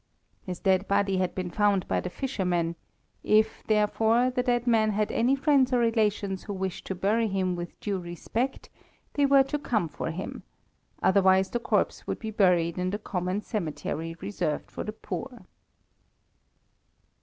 His dead body had been found by the fishermen; if, therefore, the dead man had any friends or relations who wished to bury him with due respect, they were to come for him, otherwise the corpse would be buried in the common cemetery reserved for the poor.